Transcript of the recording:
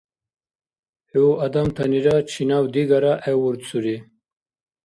ХӀу адамтанира чинав-дигара гӀевурцури